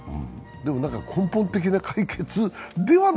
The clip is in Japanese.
でも根本的な解決ではない。